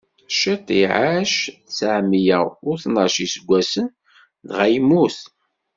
Cit iɛac tteɛmeyya u tnac n iseggasen, dɣa yemmut.